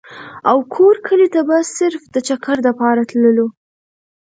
او کور کلي ته به صرف د چکر دپاره تللو ۔